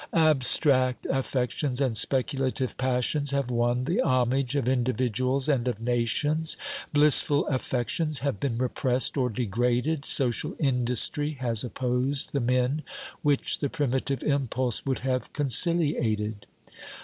Abstract affections and speculative passions have won the homage of individuals and of nations. Blissful affections have been repressed or degraded ; social industry has opposed the men which the primitive impulse would have conciliated.